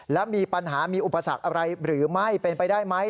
แล้วมีปัญหามีอุปสรรคอะไรหรือไม่เป็นไปได้ไหม